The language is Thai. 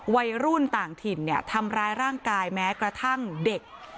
วัยรุ่นต่างถิ่นทำร้ายร่างกายแม้กระทั่งเด็ก